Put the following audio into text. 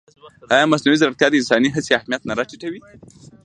ایا مصنوعي ځیرکتیا د انساني هڅې اهمیت نه راټیټوي؟